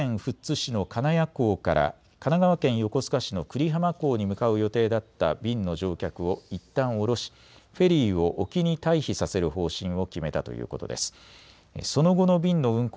また東京湾フェリーは午前１１時２０分に千葉県富津市の金谷港から神奈川県横須賀市の久里浜港に向かう予定だった便の乗客をいったん降ろし、フェリーを沖に退避させる方針を決めたということです。